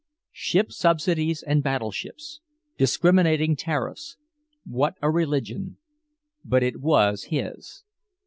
Ship subsidies and battleships, discriminating tariffs. What a religion. But it was his.